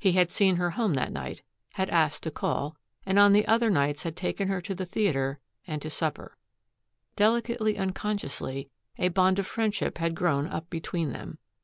He had seen her home that night, had asked to call, and on the other nights had taken her to the theater and to supper. Delicately unconsciously, a bond of friendship had grown up between them.